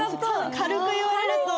軽く言われると。